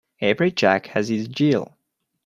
Every Jack has his Jill